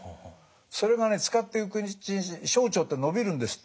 それがね使っていくうちに小腸って伸びるんですって。